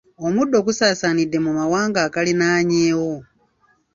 Omuddo gusaasaanidde mu mawanga agaliraanyewo.